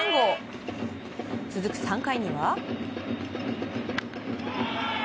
続く３回には。